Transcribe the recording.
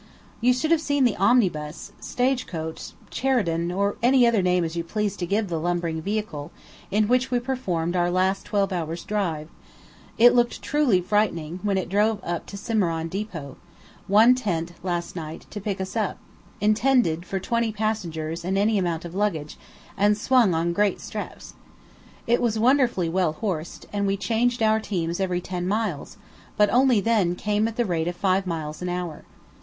You should have seen the omnibus, stage coach, charridon, or any other name you please to give the lumbering vehicle in which we performed our last twelve hours' drive; it looked truly frightening when it drove up to Cimarron depot, one tent, last night, to pick us up, intended for twenty passengers and any amount of luggage, and swung on great straps. It was wonderfully well horsed, and we changed our teams every ten miles; but only then came at the rate of five miles an hour.